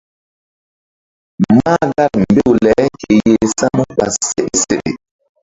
Mahgar mbew le ke yeh samu ɓa seɗe seɗe.